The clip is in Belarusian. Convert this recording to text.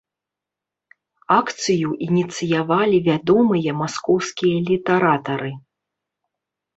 Акцыю ініцыявалі вядомыя маскоўскія літаратары.